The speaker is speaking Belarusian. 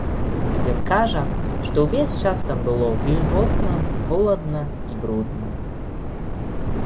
Ён кажа, што ўвесь час там было вільготна, холадна і брудна.